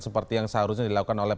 seperti yang seharusnya dilakukan oleh